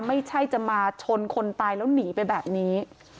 ไม่ใช่จะมาชนคนตายแล้วหนีไปแบบนี้